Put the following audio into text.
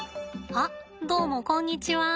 あっどうもこんにちは。